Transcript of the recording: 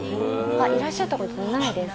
いらっしゃったことないですか？